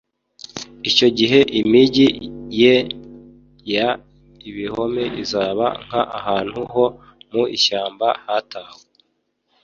icyo gihe imigi ye y ibihome izaba nk ahantu ho mu ishyamba hatawe